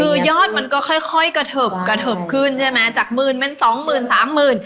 คือยอดมันก็ค่อยค่อยกระเทิบกระเทิบขึ้นใช่ไหมจากหมื่นเป็นสองหมื่นสามหมื่น